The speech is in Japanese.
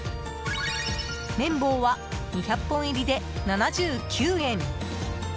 綿棒は２００本入りで７９円。